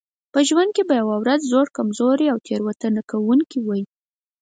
په ژوند کې به یوه ورځ زوړ کمزوری او تېروتنه کوونکی وئ.